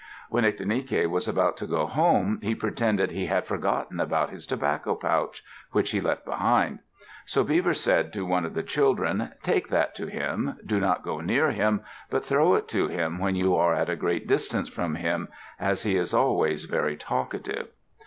When Ictinike was about to go home, he pretended he had forgotten about his tobacco pouch, which he left behind. So Beaver said to one of the children, "Take that to him. Do not go near him, but throw it to him when you are at a great distance from him, as he is always very talkative."